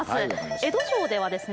江戸城ではですね